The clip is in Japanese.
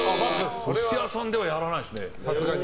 お寿司屋さんではやらないですね。